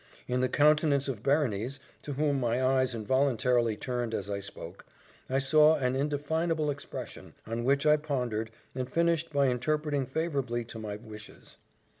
In the countenance of Berenice, to whom my eyes involuntarily turned as I spoke, I saw an indefinable expression, on which I pondered, and finished by interpreting favourably to my wishes.